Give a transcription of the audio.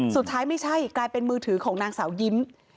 ไม่ใช่กลายเป็นมือถือของนางสาวยิ้ม